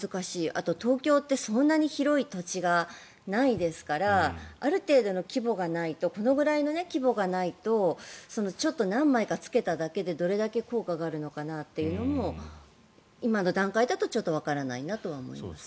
あと、東京ってそんなに広い土地がないですからある程度の規模がないとこのぐらいの規模がないとちょっと何枚かつけただけでどれだけ効果があるのかなというのも今の段階だとちょっとわからないなとは思います。